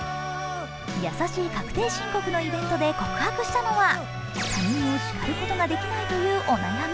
「やさしい確定申告」のイベントで告白したのは他人を叱ることができないというお悩み。